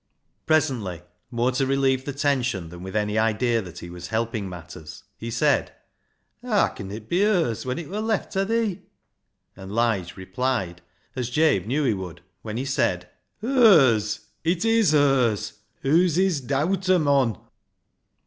Presently, more to relieve the tension than with any idea that he was helping matters, he said —" Haa can it be hers when it wur left ta thee?" And Lige replied as Jabe knew he would, when he said —" Hers ! It is hers. Hoo's his dowter, mon